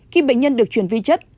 khi bệnh nhân được truyền vi chất